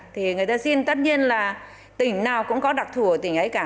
thì người ta xin tất nhiên là tỉnh nào cũng có đặc thù ở tỉnh ấy cả